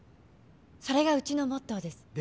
それがうちのモットーです。